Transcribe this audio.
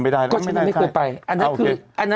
สวัสดีครับคุณผู้ชม